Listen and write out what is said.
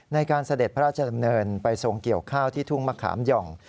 เสด็จพระราชดำเนินไปทรงเกี่ยวข้าวที่ทุ่งมะขามหย่อง